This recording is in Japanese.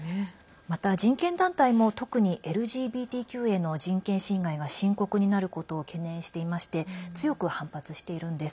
また、人権団体も特にＬＧＢＴＱへの人権侵害が深刻になることを懸念していまして強く反発しているんです。